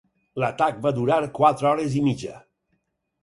L'atac va durar quatre hores i mitja.